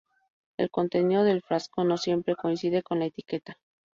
El contenido del frasco no siempre coincide con la etiqueta.